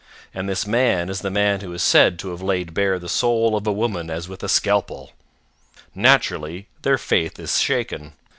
And this man is the man who is said to have laid bare the soul of a woman as with a scalpel. Naturally their faith is shaken.